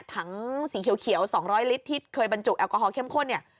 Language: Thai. ถังสีเขียว๒๐๐ลิตรที่เคยบรรจุแอลกอฮอลเข้มข้นเนี่ย